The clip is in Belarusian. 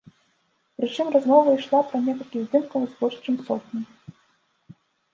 Прычым размова ішла пра некалькі здымкаў з больш чым сотні.